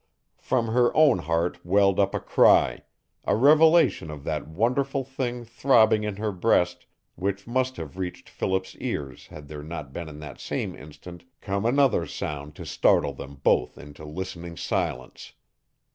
From her own heart welled up a cry, a revelation of that wonderful thing throbbing in her breast which must have reached Philip's ears had there not in that same instant come another sound to startle them both into listening silence.